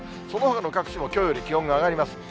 そのほかの各地もきょうより気温が上がります。